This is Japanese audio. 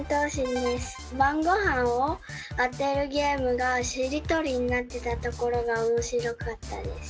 晩ごはんを当てるゲームがしりとりになってたところが面白かったです。